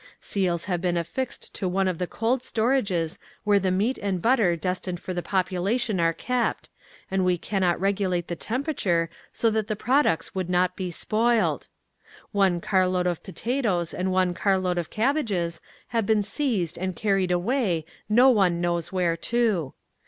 "Seals have been affixed to one of the cold storages where the meat and butter destined for the population are kept, and we cannot regulate the temperature SO THAT THE PRODUCTS WOULD NOT BE SPOILT. "One carload of potatoes and one carload of cabbages have been seized and carried away no one knows where to.